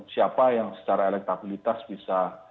siapa yang secara elektabilitas bisa